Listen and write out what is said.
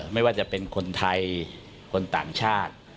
ไม่ว่าจะเป็นคนไทยคนต่างชาติ